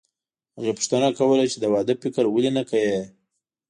هغې پوښتنه کوله چې د واده فکر ولې نه کوې